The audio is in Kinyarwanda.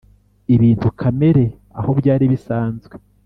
ibintu kamere aho byari bisanzwe